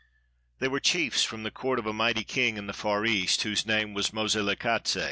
They were chiefs from the court of a mighty king in the far east, whose nam.e was Moselekatse.